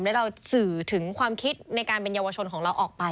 แล้วเราสื่อถึงความคิดในการเป็นเยาวชนของเราออกไป